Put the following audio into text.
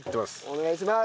お願いします。